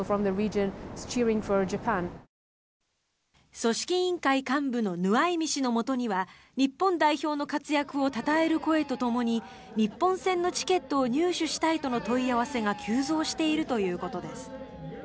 組織委員会幹部のヌアイミ氏のもとには日本代表の活躍をたたえる声とともに日本戦のチケットを入手したいとの問い合わせが急増しているということです。